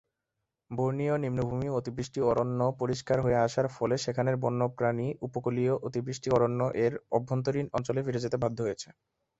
Borneo নিম্নভূমি অতিবৃষ্টি অরণ্য পরিষ্কার হয়ে আসার ফলে সেখানের বন্যপ্রাণী উপকূলীয় অতিবৃষ্টি অরণ্য-এর অভ্যন্তরীণ অঞ্চলে ফিরে যেতে বাধ্য হয়েছে।